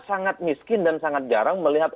sangat miskin dan sangat jarang melihat